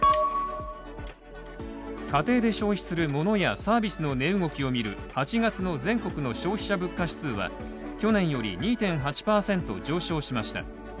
家庭で消費するモノやサービスの値動きを見る８月の全国の消費者物価指数は去年より２．８％上昇しました。